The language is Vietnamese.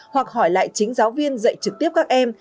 hoặc hỏi lại chính giáo viên dạy trực tiếp các em